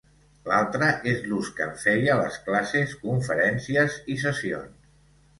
L'altra és l'ús que en feia a les classes, conferències i sessions.